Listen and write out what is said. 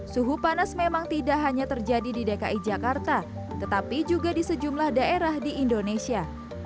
suhu panas memang tidak hanya terjadi di dki jakarta tetapi juga di sejumlah daerah di indonesia